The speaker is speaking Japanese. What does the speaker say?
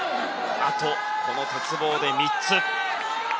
あと、この鉄棒で３つ。